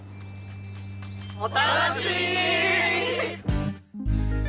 お楽しみに！